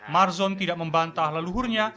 marzon tidak membantah leluhurnya